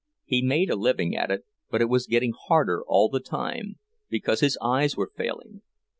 He made a living at it, but it was getting harder all the time, because his eyes were failing.